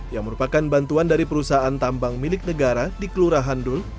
yang merupakan bantuan dari perusahaan tambang milik negara di kelurahan dul